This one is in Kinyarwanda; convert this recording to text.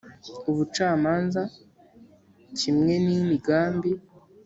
Ubucamanza kimwe n imigambi